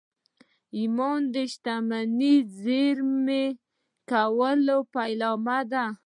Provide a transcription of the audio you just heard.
ایمان د شتمنۍ د زېرمه کولو پیلامه ده